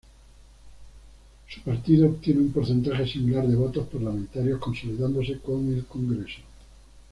Su partido obtiene un porcentaje similar de votos parlamentarios consolidándose con el Congreso.